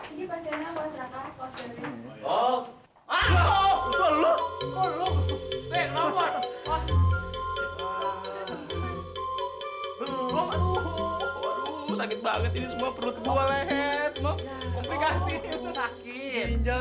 ini pasiennya buat raka